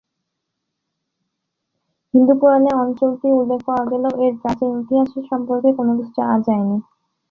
হিন্দু পুরাণে অঞ্চলটির উল্লেখ পাওয়া গেলেও এর প্রাচীন ইতিহাস সম্পর্কে তেমন কিছু জানা যায়নি।